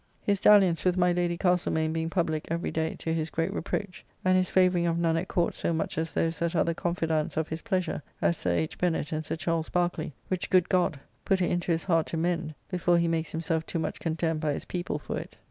His dalliance with my Lady Castlemaine being publique, every day, to his great reproach; and his favouring of none at Court so much as those that are the confidants of his pleasure, as Sir H. Bennet and Sir Charles Barkeley; which, good God! put it into his heart to mend, before he makes himself too much contemned by his people for it!